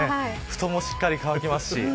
布団もしっかり乾きますし。